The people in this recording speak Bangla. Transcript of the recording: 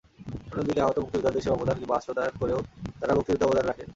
অন্যদিকে আহত মুক্তিযোদ্ধাদের সেবা প্রদান কিংবা আশ্রয়দান করেও তাঁরা মুক্তিযুদ্ধে অবদান রাখেন।